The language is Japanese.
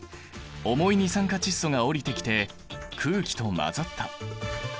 重い二酸化窒素が下りてきて空気と混ざった。